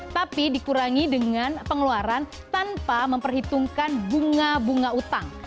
tapi dikurangi dengan pengeluaran tanpa memperhitungkan bunga bunga utang